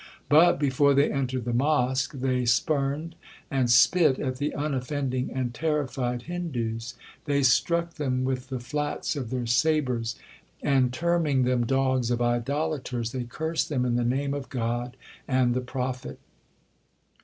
But, before they entered the mosque, they spurned and spit at the unoffending and terrified Hindoos; they struck them with the flats of their sabres, and, terming them dogs of idolaters, they cursed them in the name of God and the prophet.